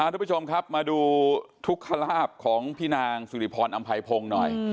ทุกผู้ชมครับมาดูทุกขลาบของพี่นางสุริพรอำไพพงศ์หน่อย